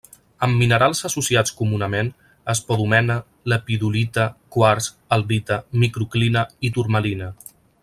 Amb minerals associats comunament: espodumena, lepidolita, quars, albita, microclina i turmalina.